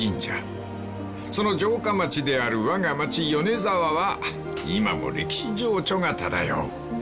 ［その城下町であるわが町米沢は今も歴史情緒が漂う］